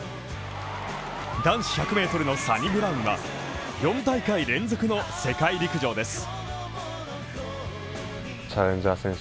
男子１００ｍのサニブラウンは、４大会連続の世界陸上です。